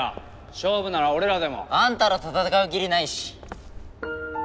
勝負なら俺らでも。あんたらと戦う義理ないし。